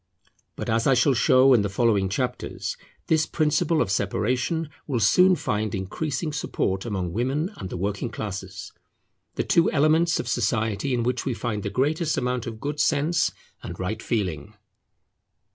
But as I shall show in the following chapters this principle of separation will soon find increasing support among women and the working classes; the two elements of society in which we find the greatest amount of good sense and right feeling.